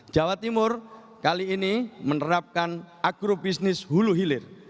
jawa timur kali ini menerapkan agrobisnis hulu hilir